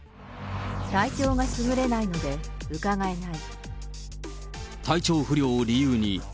体調がすぐれないので、伺えない。